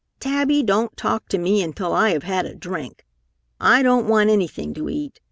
"Tabby, don't talk to me until I have had a drink. I don't want anything to eat.